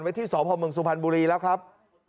ไว้ที่สอบภอมเมืองสุพรรณบุรีแล้วครับ